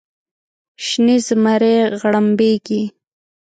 شنې زمرۍ غړمبیږې